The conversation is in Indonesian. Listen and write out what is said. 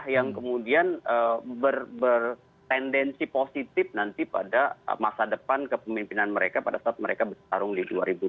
yang kemudian bertendensi positif nanti pada masa depan kepemimpinan mereka pada saat mereka bertarung di dua ribu dua puluh